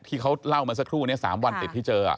ที่เขาเล่ามาสักครู่นี้๓วันติดที่เจอ